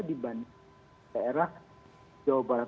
dibanding daerah jawa barat